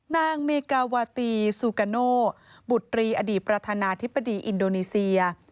นางเมกาวาตีซูกาโนบุตรีอดีตประธานาธิบดีอินโดนีเซีย